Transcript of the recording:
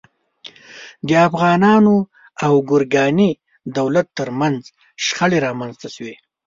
د افغانانو او ګورکاني دولت تر منځ شخړې رامنځته شوې.